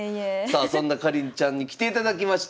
さあそんなかりんちゃんに来ていただきまして。